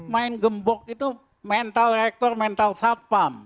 main gembok itu mental rektor mental satpam